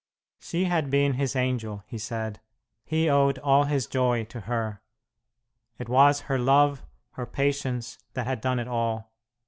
She had been his angel, he said; he owed all his joy to her. It was her love, her patience, that had done it all.